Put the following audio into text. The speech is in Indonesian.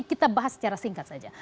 kita bahas secara singkat saja